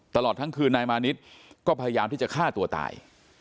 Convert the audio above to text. ตลอดทั้งคืนนายมานิดก็พยายามที่จะฆ่าตัวตาย